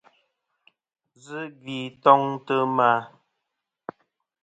Zɨ gvi toŋtɨ ma.